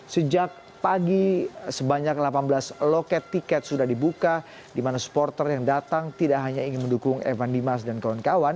sejak pagi sebanyak delapan belas loket tiket sudah dibuka di mana supporter yang datang tidak hanya ingin mendukung evan dimas dan kawan kawan